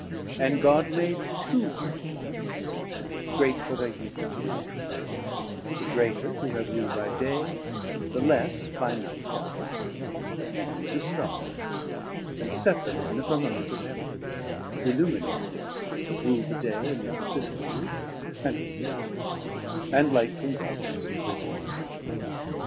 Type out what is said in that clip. And God made two great Lights, great for thir use To Man, the greater to have rule by Day, The less by Night alterne: and made the Starrs, And set them in the Firmament of Heav'n To illuminate the Earth, and rule the Day 350 In thir vicissitude, and rule the Night, And Light from Darkness to divide.